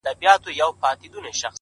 زلفـي را تاوي کړي پــر خپلـو اوږو؛